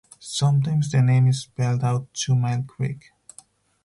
Sometimes the name is spelled out "Two Mile Creek".